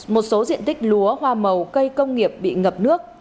một số diện tích lúa hoa màu cây công nghiệp bị ngập nước